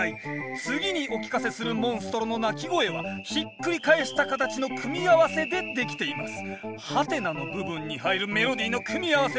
次にお聞かせするモンストロの鳴き声はひっくり返した形の組み合わせでできています